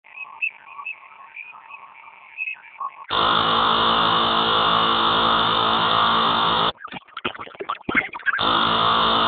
Ordu erdi dugu materiala prestatzeko.